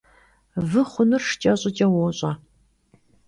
Vı xhunur şşç'e ş'ıç'e vuoş'e.